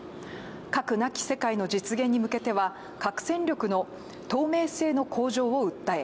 核なき世界の実現に向けては核戦力の透明性の向上を訴え